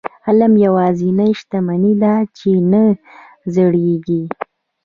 علم یوازینۍ شتمني ده چې نه زړيږي.